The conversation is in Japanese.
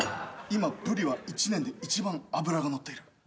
今ブリは１年で一番脂が乗っている。